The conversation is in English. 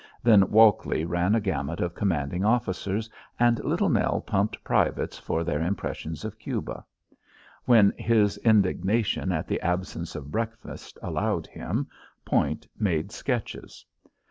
Then Walkley ran a gamut of commanding officers, and Little Nell pumped privates for their impressions of Cuba. When his indignation at the absence of breakfast allowed him, Point made sketches.